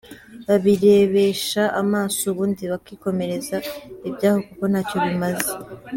babirebesha amaso ubundi bakikomereza ibyabo kuko ntacyo bimaze.